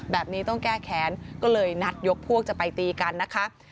แบบนี้ต้องแก้แขนก็เลยนัดยกพวกจะไปตีกันนะคะ